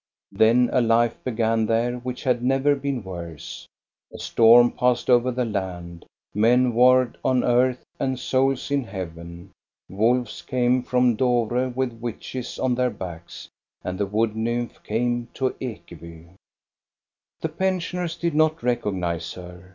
Then a life began there which had never been worse. A storm passed over the land; men warred on earth, and souls in heaven. Wolves came from Dovre with witches on their backs, and the wood nymph came to Ekeby. The pensioners did not recognize her.